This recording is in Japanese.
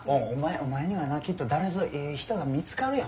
お前にはなきっと誰ぞええ人が見つかるよ。